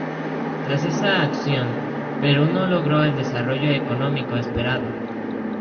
Tras esta acción Perú no logró el desarrollo económico esperado.